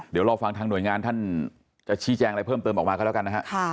เดี๋ยวรอฟังทางหน่วยงานท่านจะชี้แจงอะไรเพิ่มเติมออกมาก็แล้วกันนะฮะ